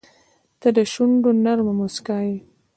• ته د شونډو نرمه موسکا یې.